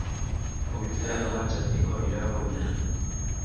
El vint-i-tres de maig en Nico anirà a Rodonyà.